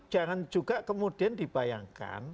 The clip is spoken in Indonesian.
jangan juga kemudian dibayangkan